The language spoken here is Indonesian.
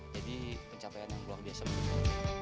jadi pencapaian yang luar biasa